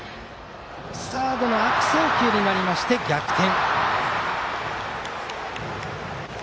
サードの悪送球になりまして逆転。